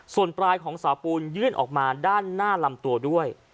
ส่วนปลายของสาปูนยื่นออกมาด้านหน้าลำตัวด้วย